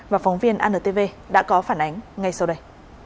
và phóng viên antv đã có phản ánh ngay sau đây